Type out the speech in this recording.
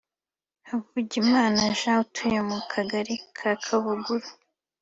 Havugimana Jean utuye mu kagari ka Kabuguru I